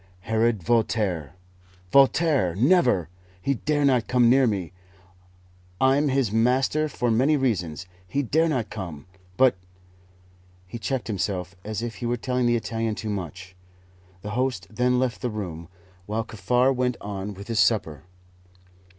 "Herod Voltaire!" "Voltaire! Never! He dare not come near me; I'm his master for many reasons he dare not come! But " He checked himself, as if he were telling the Italian too much. The host then left the room, while Kaffar went on with his supper.